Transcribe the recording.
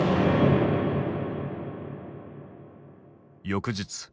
翌日。